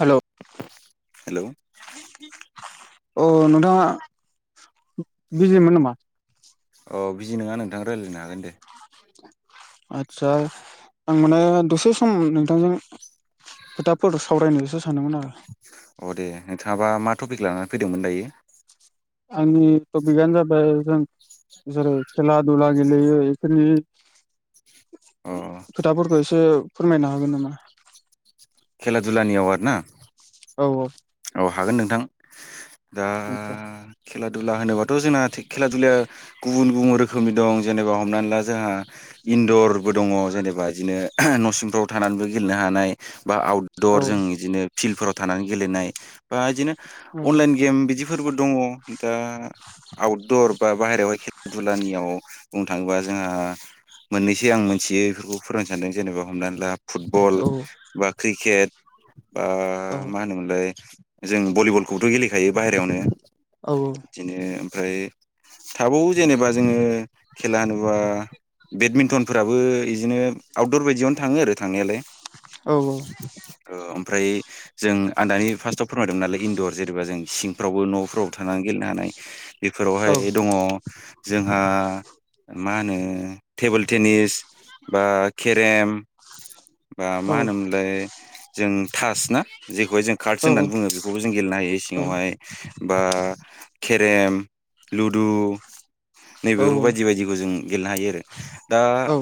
Hello hello अ नोंथांङ बिजिमोन नामा? अ बिजि नङा नोंथां रायलायनो हागोन दे आस्सा आं माने दसे सम नोंथांजों खोथाफोर सावरायनोसो सानदोंमोन आरो अ दे नोंथांङा बा मा टपिक लानानै फैदोंमोन दायो? आंनि टपिकयानो जाबाय जों जेरै खेला दुला गेलेयो बेफोरनि अ खोथाफोरखौ एसे फोरमायनो हागोन नामा? खेलाधुलानि एवार्ड ना औ औ। औ हागोन नोंथां दा आदसा खेला दुला होनोबाथ जोंना खेला दुलाया गुबुन गुबुन रोखोमनि दं जेनेबा हमनानै ला जोंहा इन्दरबो दङ जेनेबा बिदिनो नसिंफ्राव थानानैबो गेलेनो हानाय बा औ आउटदर जों बिदिनो फिल्डफोराव थानानै गेलेनाय बा बिदिनो औ अनलाइन गेम बिदिफोरबो दंङ' दा आउटदर बा बाहेरायावह खेला दुलानियाव बुंनो थांङोबा जोंहा मोननैसो आं मोनथियो बेफोरखौ फोरोंनो सान्दों जेनेबा हमनानै ला फुटबल औ बा क्रिकेट बा औ मा होनोमोनलाय जों भलिबलखौबोथ गेलेखायो बाहेरायावनो औ बिदिनो ओमफ्राय थाबावो जेनेबा जोङो खेला होनोबा बेडमिन्टनफोराबो बिदिनो आउटदर बायदियावनो थांङो आरो थांनायालाय औ औ। ओमफ्राय जों आं दानि फार्स्टआव फोरमायदोंमोन नालाय इन्दर जेनेब जों सिंफ्रावबो नफ्रावबो थानानै गेलेनो हानाय बेफोरावहाय दंङ जोंहा मा होनो टेबोल टेनिस बा केेरेम बा औ मा होनोमोनलाय जों थास ना जेखौहाय जों कार्डस होननानै बुङो बेखौबो जों गेलेनो हायो सिङावहाय। बा केरेम लुडु नैबेफोर बायदि बायदिखौ जों गेलेनो हायो आरो दा औ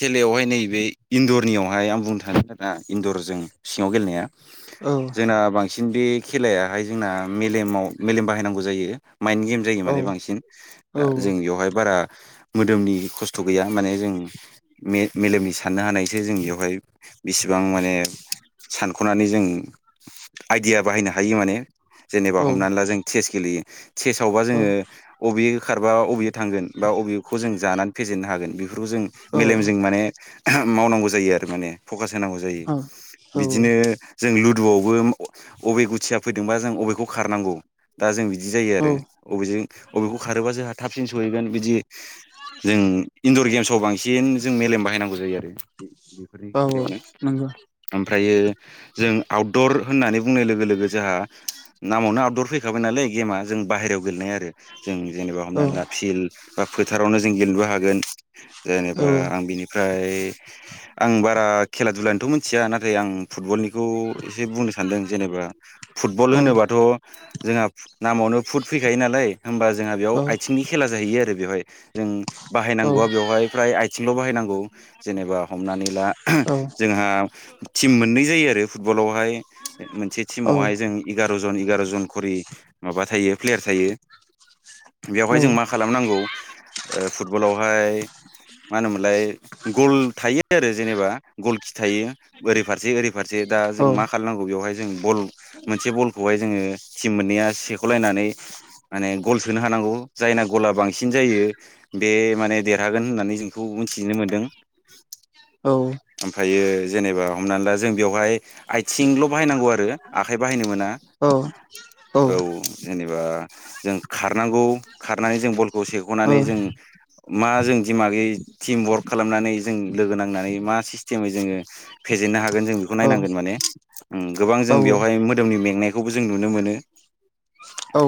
खेलायावहाय नैबे इन्दरनियावहाय आं बुंनो थादों दा इन्दरजों सिङाव गेलेनाया औ जोंना बांसिन बे खेलायाहाय जोंना मेलेमाव मेलेम बाहायनांगौ जायो। माइन्द गेम जायो माने औ बांसिन दा जों बेयावहाय बारा मोदोमनि खस थ गैया माने जों मे मेलेमनि साननो हानायसो जों बेयावहाय बेसेबां माने सानख'नानै जों आइडिया बाहायनो हायो माने जेनेबा हमनानै ला जों सेस गेलेयो सेसावबा जोङो औ अबेजो खारबा अबेजो थांगोन बा अबेखौ जाना फेजेन्नो हागोन बेफोरखौसो जों औ मेलेमजों माने मावनांगौ जायो आरो माने फकास होनांगौ जायो बिदिनो जों लु दुआवबो अबे गुथिया फैदोंबा जों अबेखौ खारनांगौ दा जों बि दि जायो औ आरो अबेजों बबेखौ खारोबा जोंहा थाबसिन सहैगोन बिदि जों इन्दुर गेम्सआव बांसिन जों मेलेम बाहायनांगौ जायो आरो बेफोरनि औ खाथियावनो नंगौ ओमफ्रायो जों दर होननानै बुंनाय लोगो लोगो जोंहा नामावनो आउटदर फैखाबाय नालाय गेमा जों बाहेरायाव गेलेनाय आरो जों जेनेबा औ हमनानै ला फिल्ड बा फोथारावनो जों गेलेनोबो हागोन। औ जेनेबा आं बिनिफ्राय आं बारा खेला दुलानिथ' मिथिया नाथाय आं फुतबलनिखौ एसे बुंनो सानदों जेनेबा फुटबल औ होनोबाथ' जोंहा नामावनो फुट फैखायो नालाय होबा जोंहा बेयाव औ आथिंनि खेला जाहैयो आरो बेहाय जों औ बाहायनांगौ बेहाय फ्राय आयथिंल' बा हायनांगौ जेनेबा हमनानै ला जोंहा टिम मोननै जायो आरो फु टबलावहाय मोनसे टिमावहाय जों एगार'जन एगार' जन खरि माबा थायो प्लेयार था यो बेवहाय जों मा खालामनांगौ ओ फुटबलावहाय मा होनोमोनलाय गल थायो आरो जेनेबा गलखि थायो। ओरै फारसे ओरै फारसे दा जों मा खालामनांगौ बेवहाय जों बल मोनसे बलखौहाय जोङो टिम मोननैया सेख' लायनानै माने गल सोनो हानांगौ जायना गला बांसिन जायो बे माने देरहागोन होननानै जोंखौ मिथिनो मोन्दों। ओमफ्रायो जेनेबा हमनानै ला जों बेवहाय आथिंल' बाहायनांगौ आरो आखाइ बाहायनो मोना औ जेनेबा जों खारनांगौ खारनानै जों बलखौ सेख'नानै जों मा जों दिमागै टिम वार्क खालामनानै जों लोगो नांनानै मा सिस्टेमै जोङो फेजेननो हा गोन जों बेखौ नायनांगोन माने उम गोबां समाव जों बेयावहाय मोदोमनि मेंनाय खौबो जों नुनो मोनो। औ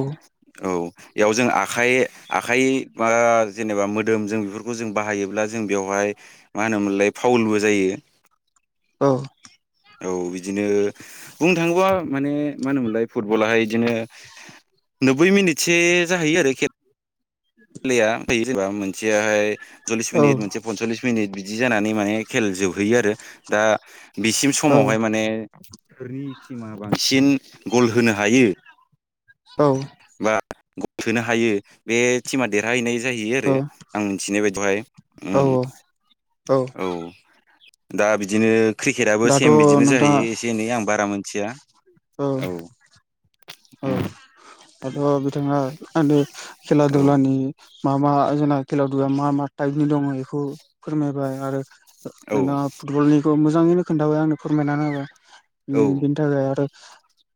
औ बेयाव जों आखाइ आखाइ बा जेनेबा मोदोम जों बेफोरखौ जों बाहायोब्ला जों बेयावहाय मा होनोमोनलाय फावलबो जायो। औ औ बिदिनो बुंनो थाङोबा माने मा होनोमोनलाय फुटबलाहाय इदिनो नोब्बै मिनिटसो जाहैयो आरो खेब खेलाया जेनबा मोनसेयाहाय सल्लिस मिनिट मोनसे पनसलिस मिनिट बिदि जानानै माने खेल जोबहैयो आरो दा बिसिम समावहाय माने सोरनि टिमा बांसिन गल होनो हायो बा गल सोनो हायो बे टिमा देरहाहैनाय जाहैयो आरो आं मिथिनाय बायदियाव हाय औ उम औ दा बिदिनो क्रिकेटआबो दाथ' सेम बिदिनो नोंथाङा जाहैयो एसे एनै आं बारा मोनथिया। औ औ दाथ' बिथाङा आंनो खेला उम दुलानि मा मा जोंना खेला दुआ मा मा टाइपनि दङ बेखौ फोरमायबाय आरो औ नोंथांया फुटबलनिखौ मोजाङैनो खोन्थाबाय आंनो फोरमायनानै होबाय औ औ बेनि थाखाय आरो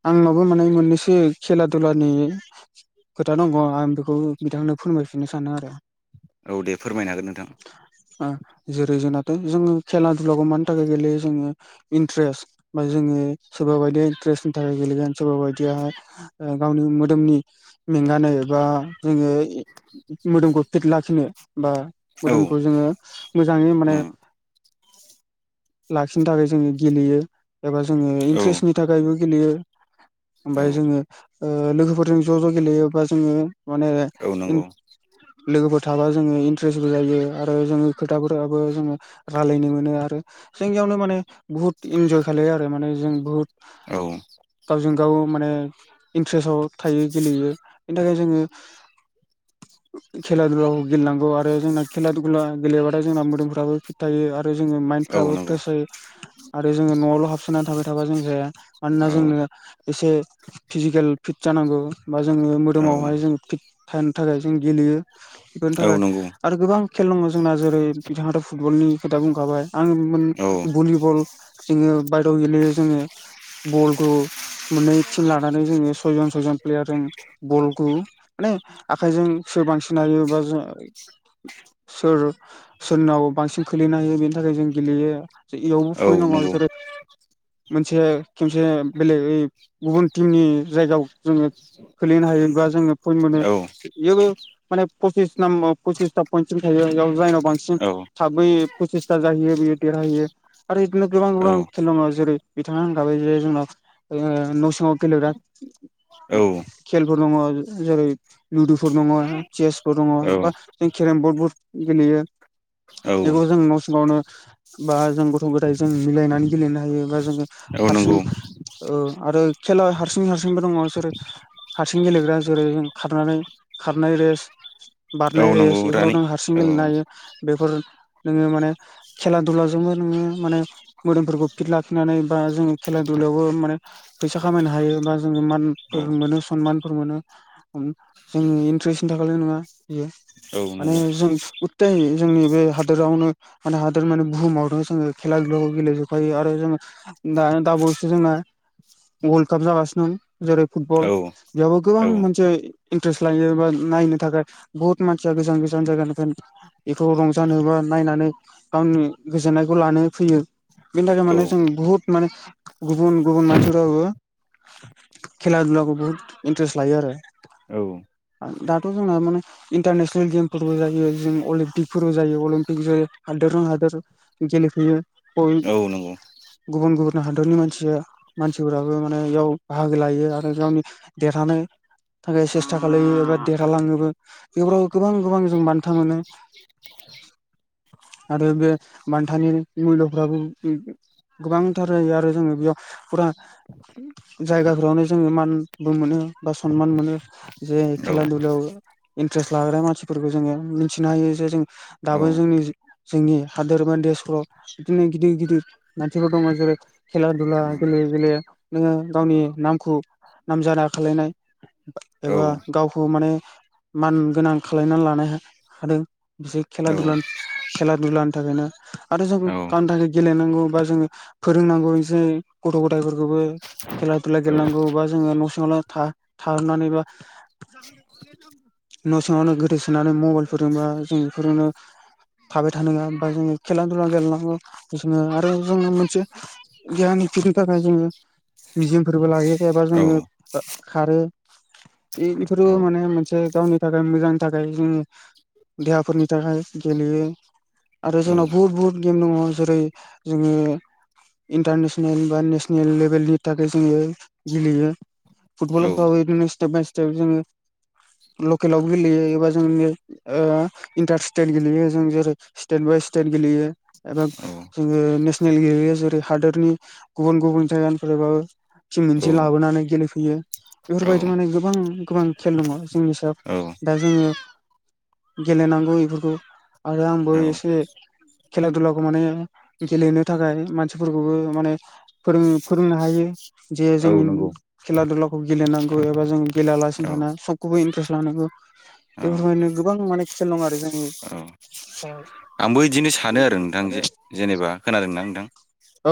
आंनावबो माने मोननैसो एसे खेला दुलानि खोथा दङ आं बेखौ बिथांनो फोरमायफिननो सानो आरो औ दे फोरमायनो हागोन नोंथां। जेरै जोंनाथ' जोङो खेला दुलाखौ मानि थाखाय गेलेयो जोङो इन्टारेस्ट बा जों जोङो सोरबा बायदिया इन्ट्रेस्टनि थाखाय गेलेगोन सोरबा बायदियहाय गावनि मोदोमनि मेंगानाय बा जोङो मोदोमखौ फिट लाखिनो बा औ मोदोमखौ जोङो मोजाङै माने उम लाखिनो थाखाय जोङो गेलेयो एबा जोङो औ इन्ट्रेस्टनि थाखायबो गेलेयो औ ओमफ्राय जोङो ओ लोगोफोरजों ज' ज' गेलेयोबा जोङो माने औ नंगौ लोगोफोर थाबा जोङो इन्ट्रेस्टबो जायो आरो जोङो खोथाफोराबो जोङो रायलायनो मोनो आरो जोंनियावनो माने बुहुत इन्जय खालायो आरो माने जों बुहुद औ गावजों गाव माने इन्ट्रेस्टआव थायो गेलेयो बेनि थाखाय जोङो खेला दुलाखौ गेलेनांगौ आरो जोंना खेला दुला गेलेबाथाय जोंना मोदोमफ्राबो फिट थायो आरो ओमफ्राय जोङो औ माइन्दफ्राबो नंगौ फ्रेस जायो आरो जोङो न'आवल' हाबसोनानै थाबाय थाबा जों जाया मानोना औ जोंनो एसे फिजिकेल फिट जानांगौ बा जोङो औ मोदोमावहाय जोङो फिट थानो थाखाय जों गेलेयो बेफोरनि औ थाखाय नंगौ आरो गोबां खेल दङ जोंना जेरै बिथाङाथ' फुटबलनि खोथा बुंखाबाय आं औ भलिबल जोङो बायदि गेलेयो जोङो बलखौ मोननै टिम लानानै जोंङो सयजन सयजन प्लेयार जों बलखौ माने आखायजों सोर बांसिन हायो बा जों सोर सोरनाव बांसिन खोलैनो हायो बेनि थाखाय जों गेलेयो इयावबो औ फइन दङ नंगौ मोनसे खनसे बेलेग गुबुन टिमनि जायगायाव जोङो खोलैनो हायो बा जोङो पइन्ट मोनो औ बेबो माने पसिस नामबार फसिसथा पइन्टसिम थायो बेयाव जायनाव बांसिन औ थाबै फसिस फसिसथा जाहैयो बियो देरहाहैयो आरो बिदिनो गोबां गोबां खेल दङ जेरै बिथाङा होनखाबाय जे जोंनाव न' सिङाव गेलेग्रा औ खेल दङ जेरै लुदुफोर दङ चेसफोर दङ औ बा जों केरेम बर्डफोर गेलेयो औ [unintelligible] बेखौ जों न' सिङावनो बा जों गथ' गथाय जों मिलायनानै गेलेनो हायो बा जोङो औ हारसिं नंगौ ओ आरो खेला हारसिं हारसिंबो दङ जेरै हारसिं गेलेग्रा जेरै खारनानै खारनाय रेस औ बारनाय रेस नंगौ बेफोराव रानि नों हारसिं औ गेलेनो हायो बेफोर नोङो माने खेला दुला जोंबो नोङो माने मोदोमफोरखौ फित लाखिनानै बा जोङो खेला दुलायावबो माने फैसा खामायनो हायो बा जोङो औ मानफोर मोनो सनमानफोर मोनो जोनि इन्ट्रेस्टनि थाखाय ल' नङा बियो औ माने नंगौ जों गुथाइ जोंनि बे हादोरावनो माने हादोर माने बुहुमावनो जोङो खेला दुला गेलेजोबखायो आरो जों दा दाबावैसो जोङो वर्ल्ड काप जागासिनों जेरै फुटबल औ बेयावबो गोबां औ मोनसे इन्ट्रेस्ट लायो बा नायनो थाखाय बुहुत मानसिया गोजान गोजान जायगानिफ्राय बेखौ रंजानोबा नायनानै गावनि गोजोननायखौ लानो फैयो बेनि थाखाय औ माने जों बुहुत माने गुबुन गुबुन मानसिफोराबो खेला दुलाखौ बहुत इन्टारेस्ट लायो आरो औ आं दाथ' जोंना माने इन्टारनेसनेल गेमफोरबो जायो जों अलिम्पिकफोरबो जायो अलिमपिक जायो। हा दोरजों हादोर गेलेफैयो बबे औ नंगौ गुबुन गुबुन हादरनि मानसिया मानसिफोराबो माने बेयाव बाहागो लायो आरो गावनि देरहानाय थाखाय सेस्था खालायो एबा देरहालाङोबो बेफोराव गोबां गोबां जों बान्था मोनो [inaudible] आरो बे बान्थानि मुल्यफ्राबो गोबांथार जायो आरो जोंङो बेयाव फुरा जायगाफोरावनो जोंङो मानबो मोनो बा सनमान मोनो जे औ खेला दुलायाव इन्ट्रेस लाग्रा मानसिफोरखौ जोङो मिथिनो हायो जे जों औ दाबो जोंनि जोंनि हादोर [inaudible] बिदिनो गिदिर गिदिर नाथिफोराव दङ जेरै खेला दुला उम गेले गले नोङो गावनि नामखौ नामजादा खालायनाय औ एबा गावखौ माने मान गोनां खालायनालानो हादों जि खेला औ दुला खेला दुलानि थाखायनो आरो जों औ गावनि थाखाय गेलेनांगौ बा जोंङो फोरोंनांगौ जेरै गथ' गथायफोरखौबो खेला दुला औ गेलेनांगौ बा जोङो न सिङाव था-थानानै बा न' सिङावनो गोदोसोनानै मबाइलफोरजोंबा जों बेफोरजोंनो थाबाय थानो नङा बा जोङो खेला दुला गेलेनांगौ जोङो आरो जोङो मोनसे गियान बेनि थाखाय जोङो बियामफोरबो लायो एबा जोङो खारो बे बेफोरो औ औ माने मोनसे गावनि थाखाय मोजांनि थाखाय जोङो देहाफोरनि थाखाय गेलेयो आरो जोंनाव बहुत बुहुत गेम दङ जेरै जोङो इन्टारनेस नेल बा नेसनेल लेभेलनि थाखाय जोङो गेलेयो फुटबलफोराव बिदिनो स्टेप बाय स्टेप जोङो लकेलाव गेलेयो एबा जोंनि ओ इन्टार स्टेट गेलेयो जों जेरै स्टेट बाय स्टेट गेलेयो एबा औ जोङो नेसनेल गेलेयो जेरै हादोरनि गुबुन गुबुन जाइगानिफ्रायबाबो टिम मोनसे लाबोनानै गेलेफैयो बेफोरबायदि माने गोबां गोबां खेल दङ जोंनि सायाव दा जोङो गेलेनांगौ बेफोरखौ आरो आंबो एसे खेला दुलाखौ माने गेलेनो थाखाय मानसिफोरखौबो माने फोरों फोरोंनो हायो जे जोंनि नंगौ खेला दुला खौ गेलेनांगौ एबा जों गेलेलासिनो औ थाना सबखौबो इन्टारेस्ट लानांगौ औ बेफोरबायनो गोबां माने [unintelligible] आरो जोंनि औ सायाव आंबो बिदिनो सानो आरो नोंथां जेनेबा खोनादोंना नोंथां औ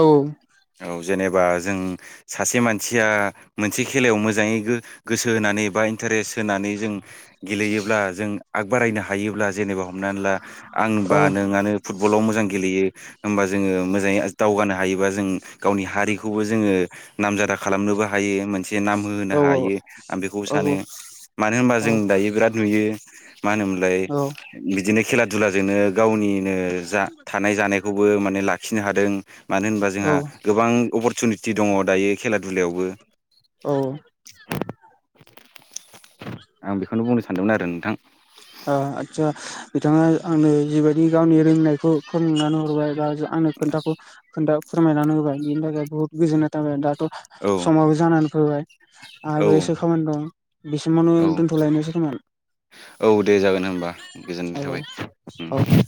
औ जेनेबा जों सासे मानसिया मोनसे खेलायाव मोजाङै गो-गोसो होना नै बा इन्टारेस्ट होनानै जों गेलेयोब्ला जों आग बारायनो हायोब्ला जेनेबा हमनानै ला आंबा औ नोंआनो फुटबलाव मोजां गेलेयो होमबा जोङो मोजाङै दावगानो हायोबा जों गावनि हारिखौबो जोङो नामजादा खालामनोबो हायो मोनसे नाम होहोनो औ हायो आं बेखौबो सानो औ मानो होनबा जों दायो बिराद नुयो मा होनोमोनलाय औ बिदिनो खेला दुलाजोंनो गावनिनो जा थानाय जानायखौ बो माने लाखिनो हादों मानो होनबा औ जोंहा गोबां अपरसुनिटि दङ दायो खेला दुलायावबो औ आं बेखौनो बुंनो सानदोंमोन आरो नोंथां ओ आदसा बिथाङा आंनो जिबायदि गावनि रोंनायखौ फोरोंनानै हरबाय बा आंनो खोन्थाखौ खोन्था फोरमायनानै होबाय बेनि थाखाय बहुत गोजोननाय थाबाय दा औ समाबो जानानै फैबाय औ आरो एसे खामानि दं बिसिमावनो औ दोन्थ'लायनोसै खोमा औ दे जागोन होमबा गोजोननाय औ थाबाय। औ उम